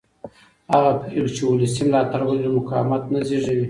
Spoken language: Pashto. هغه پرېکړې چې ولسي ملاتړ ولري مقاومت نه زېږوي